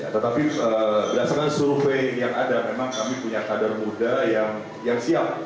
tetapi berdasarkan survei yang ada memang kami punya kader muda yang siap